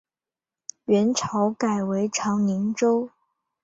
元朝改为长宁州。